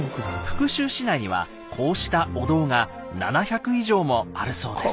福州市内にはこうしたお堂が７００以上もあるそうです。